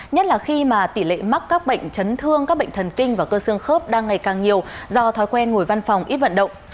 nhất là khi mà tỷ lệ mắc các bệnh chấn thương các bệnh thần kinh và cơ xương khớp đang ngày càng nhiều do thói quen ngồi văn phòng ít vận động